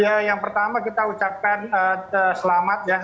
ya yang pertama kita ucapkan selamat ya